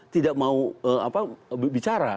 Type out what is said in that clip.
tidak mau bicara